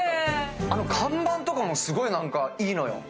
あの看板とかもすごい何かいいのよ。